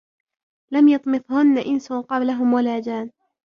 لَمْ يَطْمِثْهُنَّ إِنسٌ قَبْلَهُمْ وَلا جَانٌّ